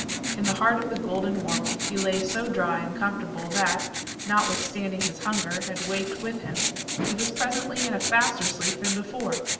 In the heart of the golden warmth, he lay so dry and comfortable that, notwithstanding his hunger had waked with him, he was presently in a faster sleep than before.